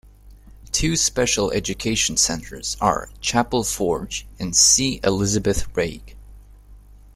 Two special education centers are Chapel Forge and C. Elizabeth Reig.